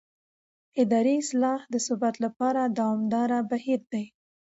اداري اصلاح د ثبات لپاره دوامداره بهیر دی